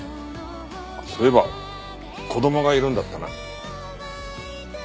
あっそういえば子供がいるんだったな。